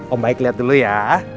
oh baik lihat dulu ya